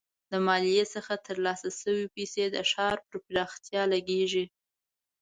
د مالیې څخه ترلاسه شوي پیسې د ښار پر پراختیا لګیږي.